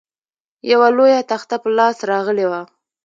یوه لویه تخته په لاس راغلې وه.